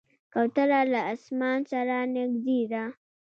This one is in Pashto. کوتره له اسمان سره نږدې ده.